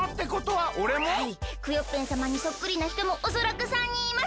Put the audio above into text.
はいクヨッペンさまにそっくりなひともおそらく３にんいます。